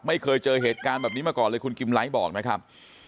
ไม่เคยเจอเหตุการณ์แบบนี้มาก่อนเลยคุณกิมไลท์บอกนะครับ